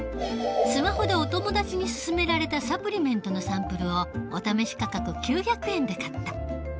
スマホでお友達に薦められたサプリメントのサンプルをお試し価格９００円で買った。